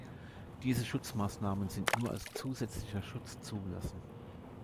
Diese Schutzmaßnahmen sind nur als zusätzlicher Schutz zugelassen.